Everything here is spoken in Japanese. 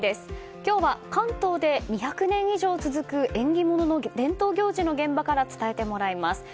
今日は関東で２００年以上続く縁起物の伝統行事の現場から伝えてもらいます。